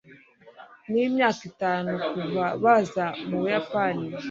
ni imyaka itanu kuva baza mu buyapani